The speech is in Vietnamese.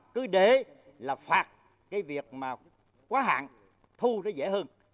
cứ để là phạt cái việc mà quá hạn thu nó dễ hơn